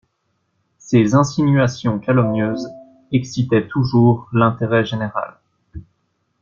Ces insinuations calomnieuses excitaient toujours l'intérêt général.